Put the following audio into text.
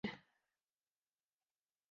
六月回军。